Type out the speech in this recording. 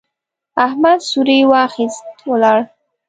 احمد څوری واخيست، ولاړ.